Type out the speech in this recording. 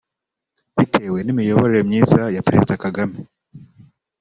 Bitewe n’imiyoborere myiza ya Perezida Kagame